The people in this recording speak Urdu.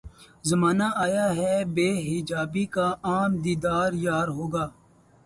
زمانہ آیا ہے بے حجابی کا عام دیدار یار ہوگا